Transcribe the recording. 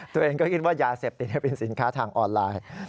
ตัวเองก็คิดว่ายาเสพติดเป็นสินค้าทางออนไลน์